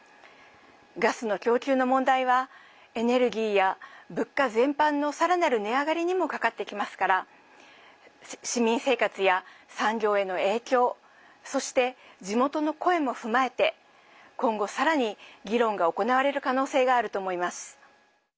ガスの供給の問題はエネルギーや物価全般のさらなる値上がりにもかかってきますから市民生活や、産業への影響そして、地元の声も踏まえて今後さらに議論が行われる可能性があると思います。